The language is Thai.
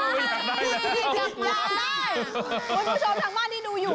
อยากได้แล้วคุณผู้ชมทางบ้านที่ดูอยู่